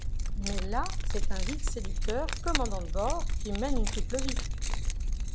Mais là, c'est un vil séducteur commandant de bord, qui mène une triple vie.